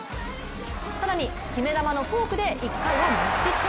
更に決め球のフォークで１回を無失点。